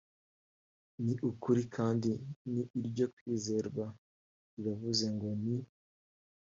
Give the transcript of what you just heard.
ni ukuri kandi ni iryo kwizerwa riravuze ngo ni